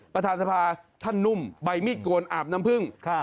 ประธานสภาท่านนุ่มใบมีดโกนอาบน้ำพึ่ง